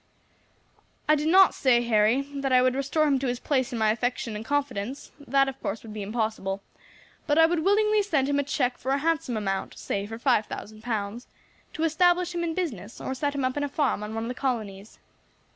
"I do not say, Harry, that I would restore him to his place in my affection and confidence, that of course would be impossible; but I would willingly send him a cheque for a handsome amount, say for five thousand pounds, to establish him in business, or set him up in a farm in one of the colonies."